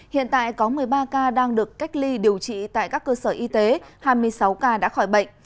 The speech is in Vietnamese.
hiện tại có một mươi ba ca đang được cách ly điều trị tại các cơ sở y tế hai mươi sáu ca đã khỏi bệnh